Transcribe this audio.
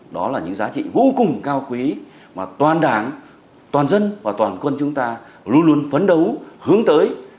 đó là những giá trị vô cùng cao quý mà toàn đảng toàn dân và toàn quân chúng ta luôn luôn phấn đấu hướng tới